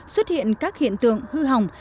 xuất hiện các hiện tượng hư hỏng